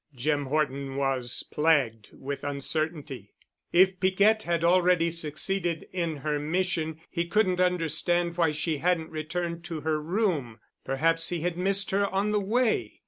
Jim Horton was plagued with uncertainty. If Piquette had already succeeded in her mission, he couldn't understand why she hadn't returned to her room. Perhaps he had missed her on the way.